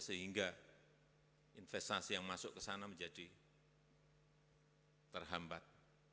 sehingga investasi yang masuk ke sana menjadi terhambat